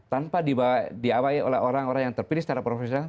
tanpa diawai oleh orang orang yang terpilih secara profesional